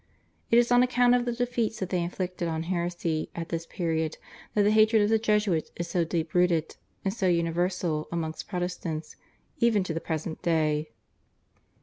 It is on account of the defeats that they inflicted on heresy at this period that the hatred of the Jesuits is so deep rooted and so universal amongst Protestants even to the present day.